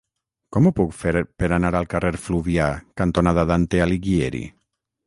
Com ho puc fer per anar al carrer Fluvià cantonada Dante Alighieri?